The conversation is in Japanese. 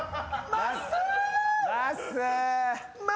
まっすー！